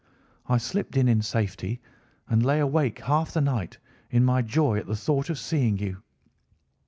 I slipped in in safety and lay awake half the night in my joy at the thought of seeing you.